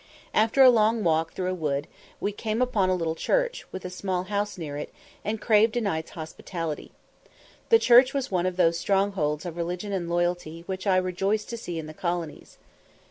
After a long walk through a wood, we came upon a little church, with a small house near it, and craved a night's hospitality. The church was one of those strongholds of religion and loyalty which I rejoice to see in the colonies.